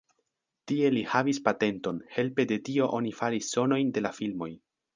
Tie li havis patenton, helpe de tio oni faris sonojn de la filmoj.